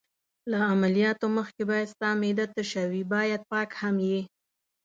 له عملیاتو مخکې باید ستا معده تشه وي، باید پاک هم یې.